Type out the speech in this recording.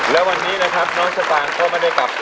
แล้ววันนี้นะครับน้องสตางค์ก็ไม่ได้กลับ